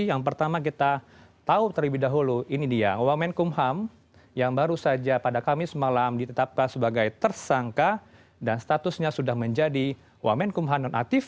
yang pertama kita tahu terlebih dahulu ini dia wamen kumham yang baru saja pada kamis malam ditetapkan sebagai tersangka dan statusnya sudah menjadi wamen kumham non aktif